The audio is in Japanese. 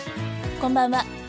こんばんは。